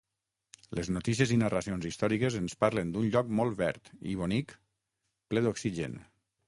Les notícies i narracions històriques ens parlen d'un lloc molt verd i bonic, ple d'oxigen.